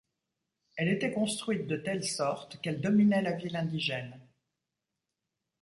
Elle était construite de telle sorte qu'elle dominait la ville indigène.